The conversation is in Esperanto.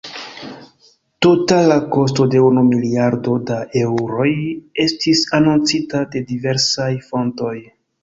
Totala kosto de unu miliardo da eŭroj estis anoncita de diversaj fontoj.